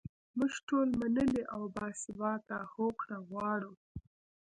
موږ ټول منلې او باثباته هوکړه غواړو.